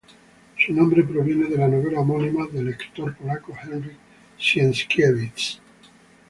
Su nombre proviene de la novela homónima el escritor polaco Henryk Sienkiewicz.